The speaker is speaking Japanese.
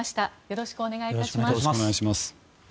よろしくお願いします。